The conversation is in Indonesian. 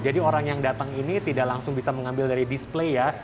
orang yang datang ini tidak langsung bisa mengambil dari display ya